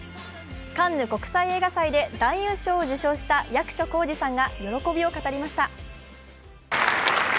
カンヌ国際映画祭で男優賞を受賞した役所広司さんが喜びを語りました。